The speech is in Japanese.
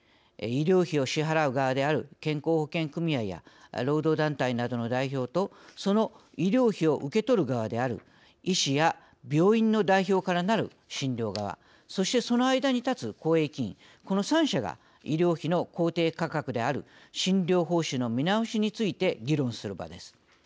医療費を支払う側である健康保険組合や労働団体などの代表とその医療費を受けとる側である医師や病院の代表からなる診療側そして、その間に立つ公益委員この三者が医療費の公定価格である診療報酬の見直しについて議論する場です。